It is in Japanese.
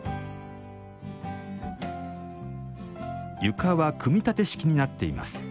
床は組み立て式になっています。